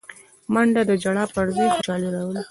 منډه د ژړا پر ځای خوشالي راولي